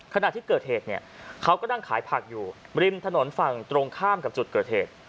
ขณะที่เกิดเหตุเนี่ยเขาก็นั่งขายผักอยู่ริมถนนฝั่งตรงข้ามกับจุดเกิดเหตุ